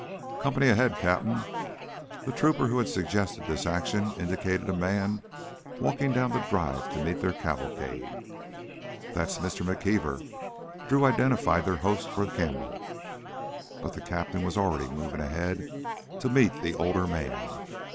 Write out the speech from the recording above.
"Company ahead, Cap'n!" The trooper who had suggested this action, indicated a man walking down the drive to meet their cavalcade. "That's Mr. McKeever." Drew identified their host for Campbell. But the captain was already moving ahead to meet the older man.